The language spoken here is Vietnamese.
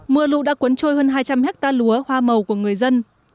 mưa lụ đã cuốn trôi hơn hai trăm linh ha lúa hoa màu của người dân